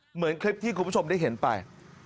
เหมือนคลิปที่คุณผู้ชมได้เห็นไป